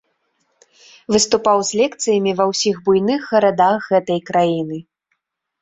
Выступаў з лекцыямі ва ўсіх буйных гарадах гэтай краіны.